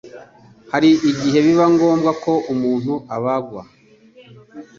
hari igihe biba ngombwa ko umuntu abagwa